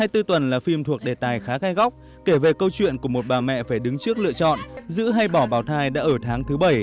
hai mươi bốn tuần là phim thuộc đề tài khá gai góc kể về câu chuyện của một bà mẹ phải đứng trước lựa chọn giữ hay bỏ bảo thai đã ở tháng thứ bảy